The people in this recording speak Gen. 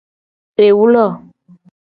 Ewlo.